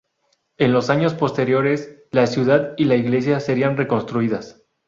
En los años posteriores la ciudad y la iglesia serían reconstruidas.